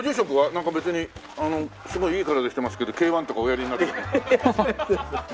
なんか別にすごいいい体してますけどＫ−１とかおやりになるんですか？